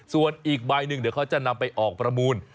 ส่วนอีกใบหนึ่งเดี๋ยวเขาจะนำไปออกประมูล